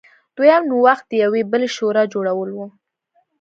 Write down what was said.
دویم نوښت د یوې بلې شورا جوړول و.